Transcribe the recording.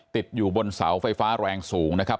ติดอยู่บนเสาไฟฟ้าแรงสูงนะครับ